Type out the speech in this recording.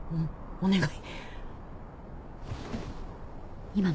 お願い！